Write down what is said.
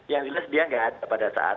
yang jelas dia nggak ada pada saat